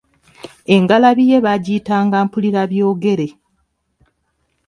Engalabi ye baagiyitanga Mpulirabyogere.